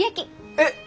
えっ？